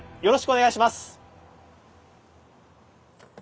よろしくお願いします。